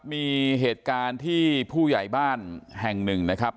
มีเหตุการณ์ที่ผู้ใหญ่บ้านแห่งหนึ่งนะครับ